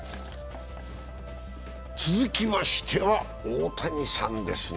続きましては大谷さんですね。